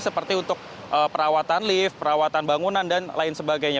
seperti untuk perawatan lift perawatan bangunan dan lain sebagainya